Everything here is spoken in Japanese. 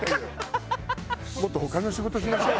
もっと他の仕事しましょう。